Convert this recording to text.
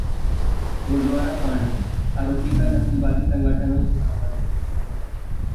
गुरूद्वारा कांड: आरोपी का नस्लवादी संगठनों से संबंध